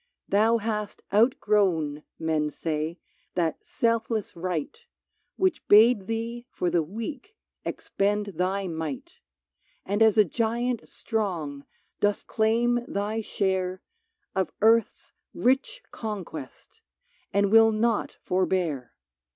Thou hast outgrown, men say, that selfless Right Which bade thee for the weak expend thy might ; And as a giant strong, dost claim thy share Of earth's rich conquest, and will naught for bear.